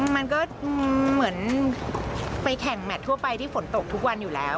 มันก็เหมือนไปแข่งแมททั่วไปที่ฝนตกทุกวันอยู่แล้ว